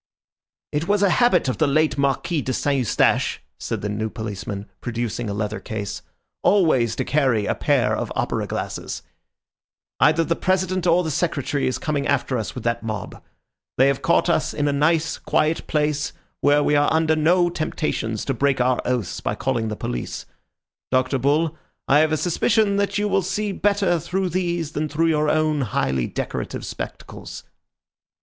"It was a habit of the late Marquis de St. Eustache," said the new policeman, producing a leather case, "always to carry a pair of opera glasses. Either the President or the Secretary is coming after us with that mob. They have caught us in a nice quiet place where we are under no temptations to break our oaths by calling the police. Dr. Bull, I have a suspicion that you will see better through these than through your own highly decorative spectacles."